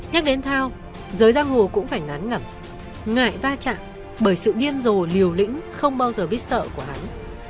nhắc đến thao giới giang hồ cũng phải ngán ngẩm ngại va chạm bởi sự điên rồ liều lĩnh không bao giờ biết sợ của hắn